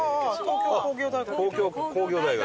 東京工業大学。